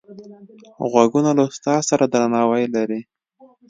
غوږونه له استاد سره درناوی لري